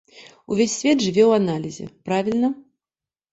Увесь свет жыве ў аналізе, правільна?